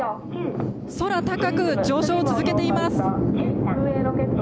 空高く上昇を続けています。